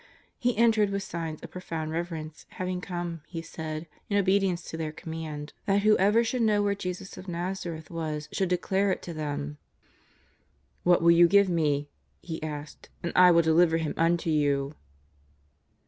He entered with signs of profound reverence, having come, he said, in obedience to their command that whoever should know where Jesus of Nazareth was should declare it to them. " What will you give me,'' he asked, '^ and I will deliver Him unto you